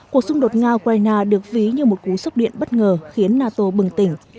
cuộc xung đột nga ukraine được ví như một cú sốc điện bất ngờ khiến nato bừng tỉnh